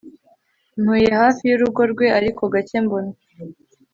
ntuye hafi y'urugo rwe, ariko gake mbona